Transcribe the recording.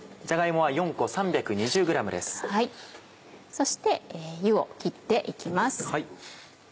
そして湯を切って行きます。